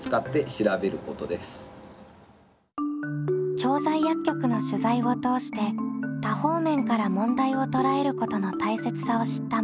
調剤薬局の取材を通して多方面から問題を捉えることの大切さを知ったマッキー。